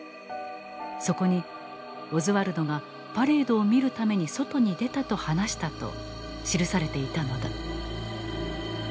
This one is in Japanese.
そこに「オズワルドが『パレードを見るために外に出た』と話した」と記されていたのだ。